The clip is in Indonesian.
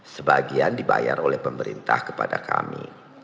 sebagian dibayar oleh pemerintah kepada kami